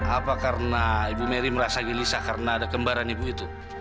apa karena ibu mary merasa gelisah karena ada kembaran ibu itu